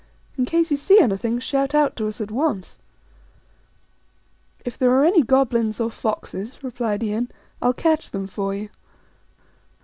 In case you see anything, shout out to us at once." " If there are any goblins or foxes," replied Yin, " I'll catch them for you.